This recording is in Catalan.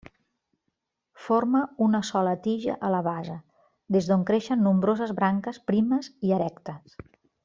Forma una sola tija a la base, des d'on creixen nombroses branques primes i erectes.